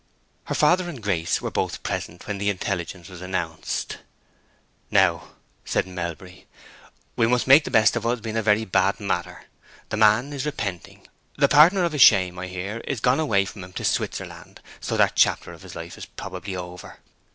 Her father and Grace were both present when the intelligence was announced. "Now," said Melbury, "we must make the best of what has been a very bad matter. The man is repenting; the partner of his shame, I hear, is gone away from him to Switzerland, so that chapter of his life is probably over.